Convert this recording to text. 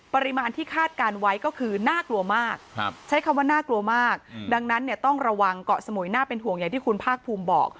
ปริมาณที่คาดการณ์ไว้ก็คือน่ากลัวมากใช้คำว่าน่ากลัวมากดังนั้นเนี่ยต้องระวังเกาะสมุยน่าเป็นห่วงอย่างที่คุณภาคภูมิบอก